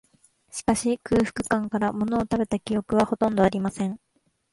しかし、空腹感から、ものを食べた記憶は、ほとんどありません